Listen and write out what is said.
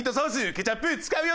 ケチャップ使うよね！